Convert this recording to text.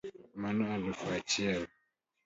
Mano alufu achiel